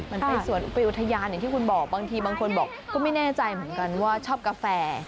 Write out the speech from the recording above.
มันเป็นสวนไปอุทยานอย่างที่คุณบอกบางทีบางคนบอกก็ไม่แน่ใจเหมือนกันว่าชอบกาแฟ